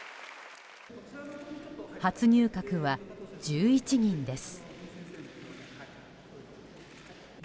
初入閣は１１人です。